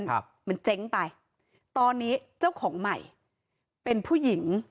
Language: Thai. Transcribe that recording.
ครับมันเจ๊งไปตอนนี้เจ้าของใหม่เป็นผู้หญิง